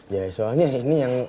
ya soalnya ini yang